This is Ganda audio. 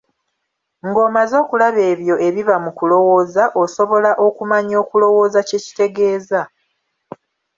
Ng'omaze okulaba ebyo ebiba mu kulowooza, osobola okumanya okulowooza kye kitegeeza.